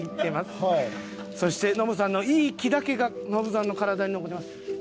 そしてノブさんのいい気だけがノブさんの体に残ります。